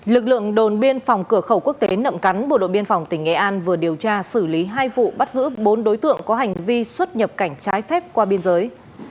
lực lượng đồn biên phòng cửa khẩu quốc tế nậm cắn bộ đội biên phòng tỉnh nghệ an vừa điều tra xử lý hai vụ bắt giữ bốn đối tượng có hành vi xuất nhập cảnh trái phép qua biên giới